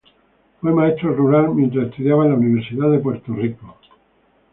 Fue maestro rural mientras estudiaba en la Universidad de Puerto Rico.